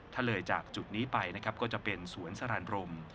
ถ้าเลยจากจุดนี้ไปนะครับก็จะเป็นสวนสรานพรม